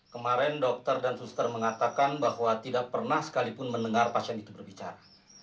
kemarin dokter dan suster mengatakan bahwa tidak pernah sekalipun mendengar pasien itu berbicara